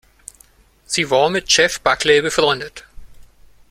Sie war mit Jeff Buckley befreundet.